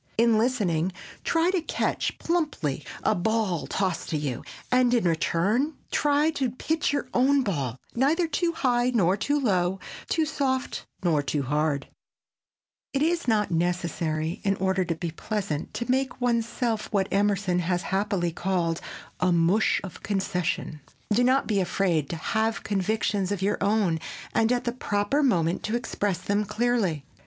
In listening, try to catch plumply a ball tossed to you and in return try to pitch your own ball neither too high nor too low, too soft nor too hard. [Sidenote: USING THE QUESTION FORM] It is not necessary, in order to be pleasant, to make one's self what Emerson has happily called "a mush of concession." Do not be afraid to have convictions of your own and at the proper moment to express them clearly.